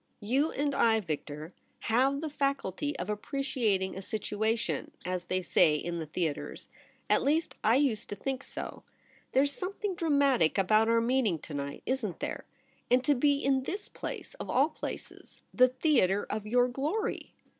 You and I, Victor, have ON THE TERRACE. 51 the faculty of appreciating a situation — as they say in the theatres — at least I used to think so. There's something dramatic about our meeting to night, isn't there ? And to be in this place — of all places — the theatre of your glory